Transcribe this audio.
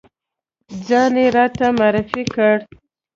ځان یې راته معرفی کړ.